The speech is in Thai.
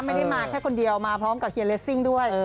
ไม่ได้มาแค่คนเดียวมาพร้อมกับเฮียเลสซิ่งด้วย